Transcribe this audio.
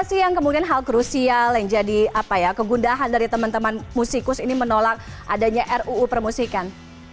apa sih yang kemudian hal krusial yang jadi kegundahan dari teman teman musikus ini menolak adanya ruu permusikan